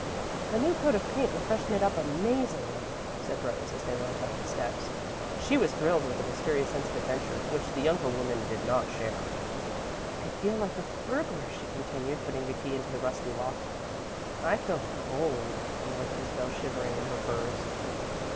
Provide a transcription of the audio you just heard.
"A new coat of paint will freshen it up amazingly," said Rose, as they went up the steps. She was thrilled with a mysterious sense of adventure which the younger woman did not share. "I feel like a burglar," she continued, putting the key into the rusty lock. "I feel cold," remarked Isabel, shivering in her furs.